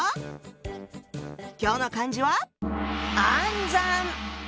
今日の漢字は「暗算」！